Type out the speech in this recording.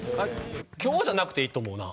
今日じゃなくていいと思うな。